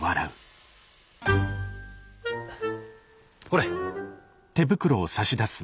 ほれ。